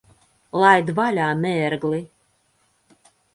Laid vaļā, mērgli!